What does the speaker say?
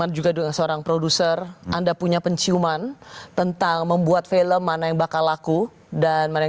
aku amazing di mean story lagi